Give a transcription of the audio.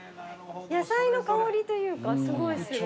野菜の香りというかすごいする。